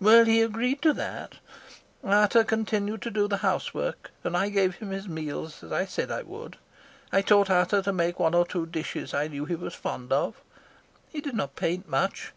"Well, he agreed to that. Ata continued to do the housework, and I gave him his meals as I said I would. I taught Ata to make one or two dishes I knew he was fond of. He did not paint much.